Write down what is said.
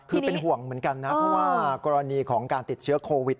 คือเป็นห่วงเหมือนกันนะเพราะว่ากรณีของการติดเชื้อโควิด